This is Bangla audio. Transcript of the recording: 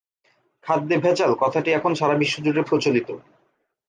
খাদ্যে ভেজাল কথাটি এখন সারাবিশ্বজুড়ে প্রচলিত।